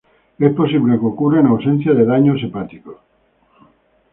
Es posible que ocurra en ausencia de daños hepáticos.